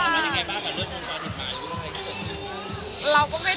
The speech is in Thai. ไม่ได้เคลียร์